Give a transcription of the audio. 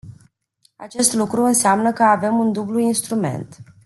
Acest lucru înseamnă că avem un dublu instrument.